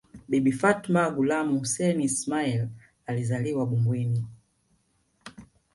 Bibi Fatma Gulamhussein Ismail alizaliwa Bumbwini